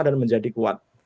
dan menjadi kuat